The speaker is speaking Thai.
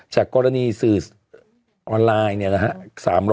จากกรณีสื่อออนไลน์เนี่ยนะฮะ